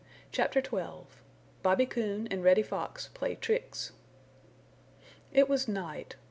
CHAPTER XII BOBBY COON AND REDDY FOX PLAY TRICKS It was night.